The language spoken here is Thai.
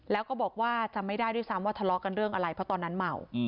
แล้วก็บอกว่าจำไม่ได้ด้วยซ้ำว่าทะเลาะกันเรื่องอะไรเพราะตอนนั้นเมา